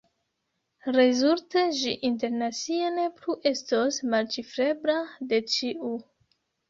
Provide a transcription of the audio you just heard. Rezulte ĝi internacie ne plu estos malĉifrebla de ĉiu.